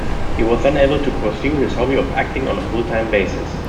He was then able to pursue his hobby of acting on a full-time basis.